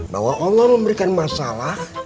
bahwa allah memberikan masalah